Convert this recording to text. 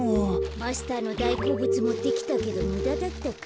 マスターのだいこうぶつもってきたけどむだだったか。